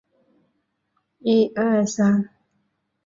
属于移调乐器。